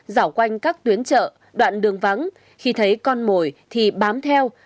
dạo quanh các tuyến chợ đoạn đường vắng khi thấy con mồi thì bám theo